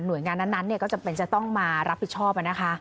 โดยงานนั้นก็จำเป็นจะต้องมารับผิดชอบนะคะ